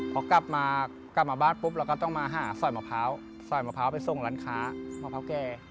พอกลับมากลับมาบ้านปุ๊บเราก็ต้องมาหาสอยมะพร้าวสอยมะพร้าวไปส่งร้านค้ามะพร้าวแก่